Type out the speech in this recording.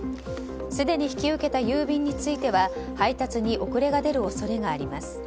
すでに引き受けた郵便については配達に遅れが出る恐れがあります。